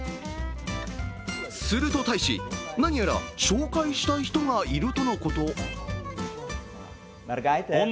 すると大使、何やら紹介したい人がいるとのこと。